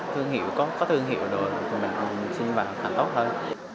thương hiệu có thương hiệu rồi tụi mình xin vào càng tốt hơn